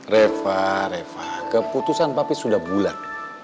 reva reva keputusan papi sudah bulat